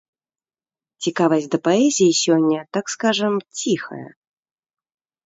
Цікавасць да паэзіі сёння, так скажам, ціхая.